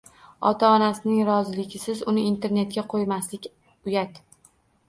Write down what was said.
Ota -onasining roziligisiz uni internetga qo'ymaslik uyat.